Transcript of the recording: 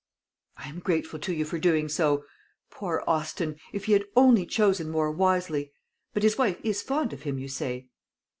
"I am grateful to you for doing so. Poor Austin! if he had only chosen more wisely! But his wife is fond of him, you say?"